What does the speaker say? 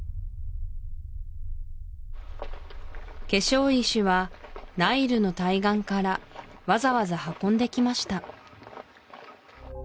化粧石はナイルの対岸からわざわざ運んできました